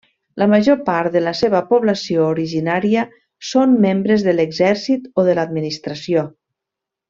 La major part de la seva població originària són membres de l'exèrcit o de l'administració.